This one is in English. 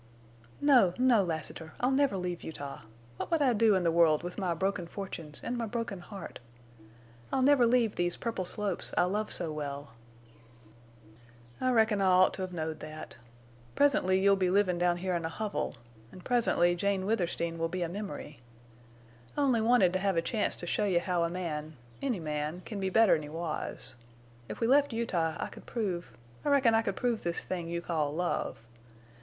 "No, no, Lassiter. I'll never leave Utah. What would I do in the world with my broken fortunes and my broken heart? I'll never leave these purple slopes I love so well." "I reckon I ought to 've knowed that. Presently you'll be livin' down here in a hovel, en' presently Jane Withersteen will be a memory. I only wanted to have a chance to show you how a man—any man—can be better 'n he was. If we left Utah I could prove—I reckon I could prove this thing you call love.